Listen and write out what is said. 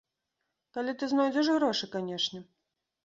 Калі ты знойдзеш грошы, канешне!